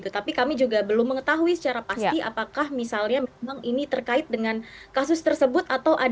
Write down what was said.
tapi kami juga belum mengetahui secara pasti apakah misalnya memang ini terkait dengan kasus tersebut